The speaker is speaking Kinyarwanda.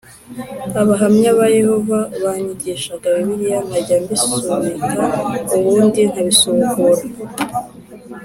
Abahamya ba Yehova banyigishaga Bibiliya nkajya mbisubika ubundi nkabisubukura